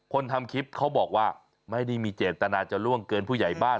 คนทำคลิปเขาบอกว่าไม่ได้มีเจตนาจะล่วงเกินผู้ใหญ่บ้าน